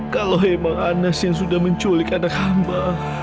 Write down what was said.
kalau memang anas yang sudah menculik anak hamba